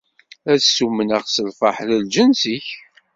Ad stummneɣ s lferḥ n lǧens-ik.